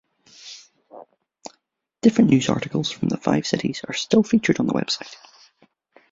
Different news articles from the five cities are still featured on the website.